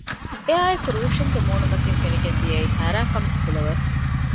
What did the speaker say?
އެއާއެކު ރޫޝިންގެ މޫނުމަތިން ފެނިގެން ދިޔައީ ހައިރާންކަމުގެ ކުލަވަރު